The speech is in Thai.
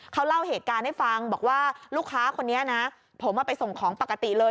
เขาเล่าเหตุการณ์ให้ฟังบอกว่าลูกค้าคนนี้นะผมไปส่งของปกติเลย